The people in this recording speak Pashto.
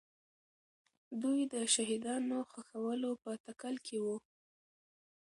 دوی د شهیدانو ښخولو په تکل کې وو.